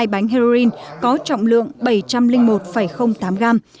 hai bánh heroin có trọng lượng bảy trăm linh một tám gram